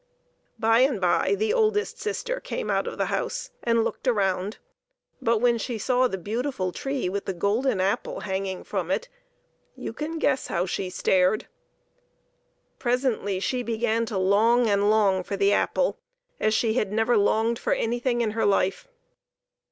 By and by the oldest sister came out of the house and looked around, but when she saw the beautiful tree with the golden apple hanging from it you can guess how she stared. no PEPPER AND SALT. Presently she began to long and long for the apple as she had never longed for any thing in her life.